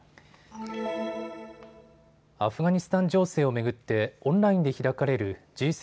アフガニスタン情勢を巡ってオンラインで開かれるＧ７